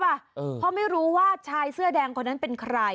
เพราะไม่รู้ว่าชายเสื้อแดงคนนั้นเป็นใคร